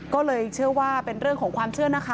ก็เลยเชื่อว่าเป็นเรื่องของความเชื่อนะคะ